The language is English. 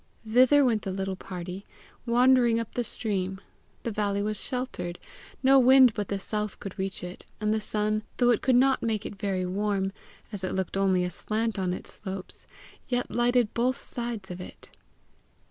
Thither went the little party, wandering up the stream: the valley was sheltered; no wind but the south could reach it; and the sun, though it could not make it very warm, as it looked only aslant on its slopes, yet lighted both sides of it.